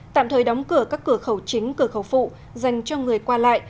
tạm thời đóng cửa các cửa khẩu chính cửa khẩu phụ dành cho người qua lại